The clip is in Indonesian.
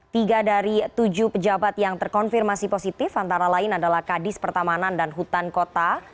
tiga dari tujuh pejabat yang terkonfirmasi positif antara lain adalah kadis pertamanan dan hutan kota